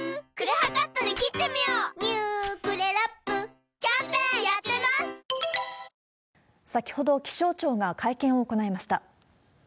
週末は日本全国、先ほど気象庁が会見を行いました。